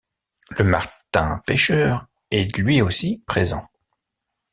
Le Martin-pêcheur est lui aussi présent.